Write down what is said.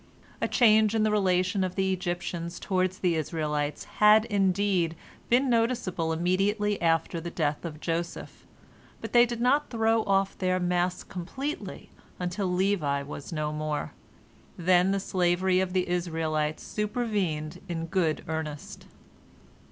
A change in the relation of the Egyptians toward the Israelites had, indeed, been noticeable immediately after the death of Joseph, but they did not throw off their mask completely until Levi was no more. Then the slavery of the Israelites supervened in good earnest.